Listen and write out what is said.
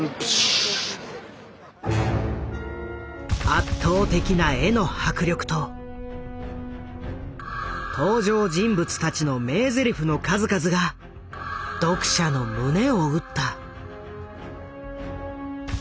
圧倒的な絵の迫力と登場人物たちの名ゼリフの数々が読者の胸を打った。